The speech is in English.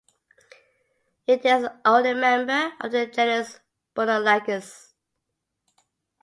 It is the only member of the genus Bunolagus.